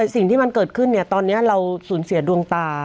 สิ่งที่มันเกิดขึ้นตอนนี้เราสูญเสียดวงตา